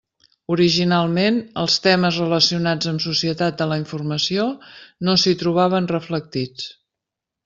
Originalment, els temes relacionats amb Societat de la Informació no s'hi trobaven reflectits.